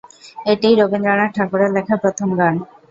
এটিই রবীন্দ্রনাথ ঠাকুরের লেখা প্রথম গান।